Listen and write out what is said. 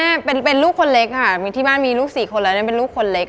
อเรนนี่เออแม่เป็นลูกคนเล็กค่ะที่บ้านมีลูก๔คนแล้วเป็นลูกคนเล็ก